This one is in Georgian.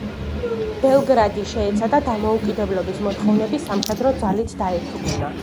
ბელგრადი შეეცადა დამოუკიდებლობის მოთხოვნები სამხედრო ძალით დაეთრგუნა.